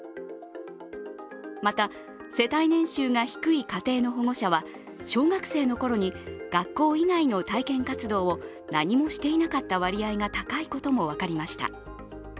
また世帯年収が低い家庭の保護者は小学生の頃に学校以外の体験活動を何もしていなかった割合が高いことも分かりました。